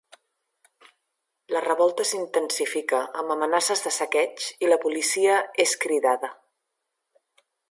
La revolta s'intensifica amb amenaces de saqueig i la policia és cridada.